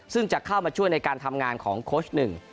ซึ่งจะเข้ามาช่วยในการทำงานของโค้ชหนึ่ง